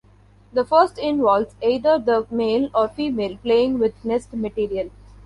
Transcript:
The first involves either the male or female playing with nest-material.